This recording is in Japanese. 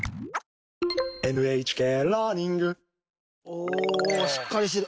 おしっかりしてる。